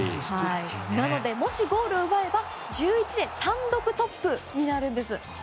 なので、もしゴールを奪えば１１で単独トップになるんです。